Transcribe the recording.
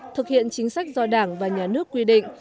thực hiện chính sách do đảng và nhà nước quy định